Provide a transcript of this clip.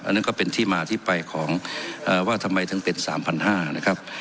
นั่นก็เป็นที่มาที่ไปของว่าทำไมถึงเป็น๓๕๐๐นะครับ